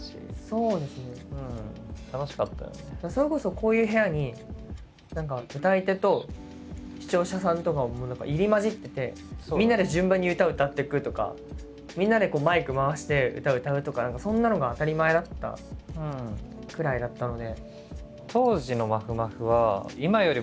それこそこういう部屋に何か歌い手と視聴者さんとかも何か入り交じっててみんなで順番に歌を歌ってくとかみんなでこうマイク回して歌を歌うとか何かそんなのが当たり前だったくらいだったので。